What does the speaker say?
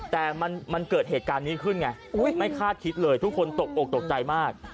แต่มันเกิดเหตุการณ์นี้ขึ้นไงไม่คาดคิดเลยทุกคนตกอกตกใจมาก